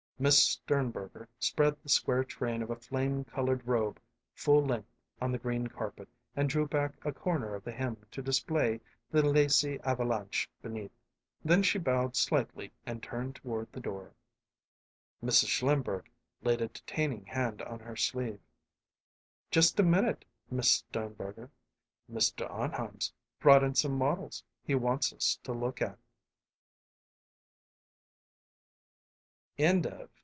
Miss Sternberger spread the square train of a flame colored robe full length on the green carpet and drew back a corner of the hem to display the lacy avalanche beneath. Then she bowed slightly and turned toward the door. Mrs. Schlimberg laid a detaining hand on her sleeve. "Just a minute, Miss Sternberger. Mr. Arnheim's brought in some models he wants us to look at."